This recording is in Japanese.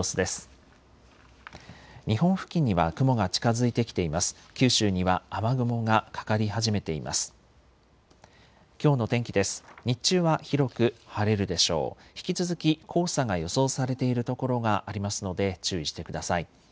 引き続き黄砂が予想されている所がありますので注意してください。